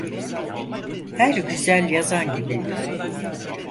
Her güzel yazan gibiydim.